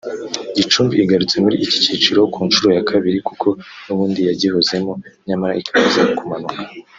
Gicumbi igarutse muri iki cyiciro ku nshuro ya kabiri kuko n’ubundi yagihozemo nyamara ikaza kumanuka